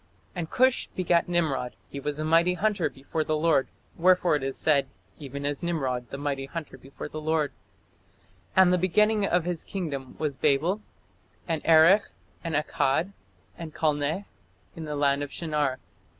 And Cush begat Nimrod; he began to be a mighty one in the earth. He was a mighty hunter before the Lord; wherefore it is said, Even as Nimrod the mighty hunter before the Lord. And the beginning of his kingdom was Babel, and Erech, and Accad, and Calneh, in the land of Shinar.